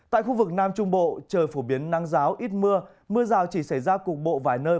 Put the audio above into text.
tại khu vực nam trung bộ trời phổ biến nắng giáo ít mưa mưa rào chỉ xảy ra cục bộ vài nơi